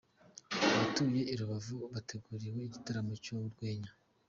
Abatuye i Rubavu bateguriwe igitaramo cy'urwenya.